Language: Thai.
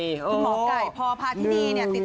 หมอกไก่พอพาที่นี่เนี่ย